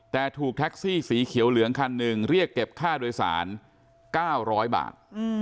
แต่ถูกแท็กซี่สีเขียวเหลืองคันหนึ่งเรียกเก็บค่าโดยสาร๙๐๐บาท